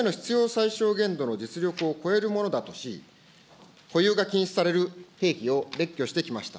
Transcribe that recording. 最小限度の実力を超えるものだとし、保有が禁止される兵器を列挙してきました。